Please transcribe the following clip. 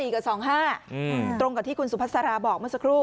กับ๒๕ตรงกับที่คุณสุภาษาราบอกเมื่อสักครู่